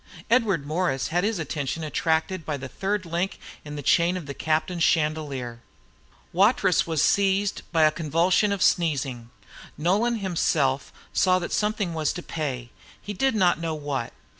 Edward Morris had his attention attracted by the third link in the chain of the captain's chandelier. Watrous was seized with a convulsion of sneezing. Nolan himself saw that something was to pay, he did not know what.